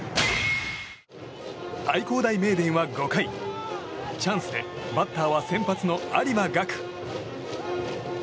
愛工大名電は５回チャンスでバッターは先発の有馬伽久。